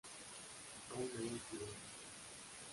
Aún hoy piden justicia.